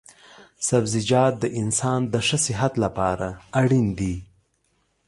سبزيجات د انسان د ښه صحت لپاره اړين دي